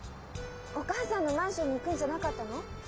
お母さんのマンションに行くんじゃなかったの？